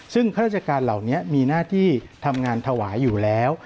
ซึ่งข้าราชการเหล่านี้มีหน้าที่ทำงานถวายอยู่แล้ว